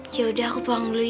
yaudah aku pulang dulu ya